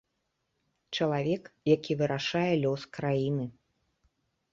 Чалавек, які вырашае лёс краіны.